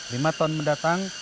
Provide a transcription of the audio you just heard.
lima tahun mendatang